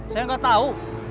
saya gak tau